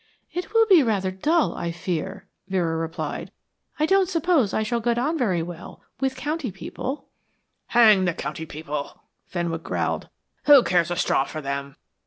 "It will be rather dull, I fear," Vera replied. "I don't suppose that I shall get on very well with county people " "Hang the county people," Fenwick growled. "Who cares a straw for them?